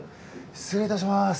失礼いたします。